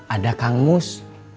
ada kang mus